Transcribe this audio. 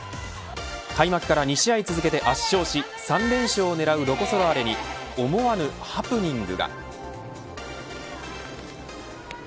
開幕から２試合続けて圧勝し３連勝を狙うロコ・ソラーレに思わぬハプニングが。